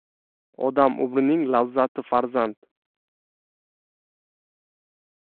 • Odam umrining lazzati — farzand.